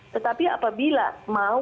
tetapi apabila mau dikaitkan dengan tindakan